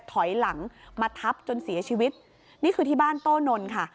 ถอยหลังมาทับจนเสียชีวิตนี่คือที่บ้านโต้นนค่ะ